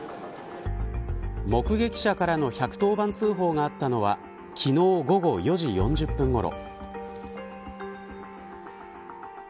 目撃者からの１１０番通報があったのは昨日、午後４時４０分ごろ。